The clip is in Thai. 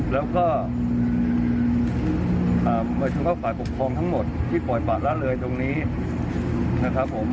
แล้วก็โดยเฉพาะฝ่ายปกครองทั้งหมดที่ปล่อยปะละเลยตรงนี้นะครับผม